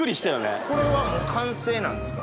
これはもう完成なんですか？